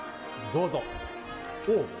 どうぞ。